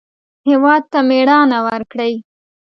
هېواد ته مېړانه ورکړئ